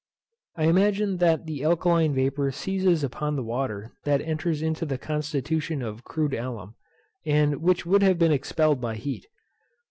I imagine that the alkaline vapour seizes upon the water that enters into the constitution of crude alum, and which would have been expelled by heat.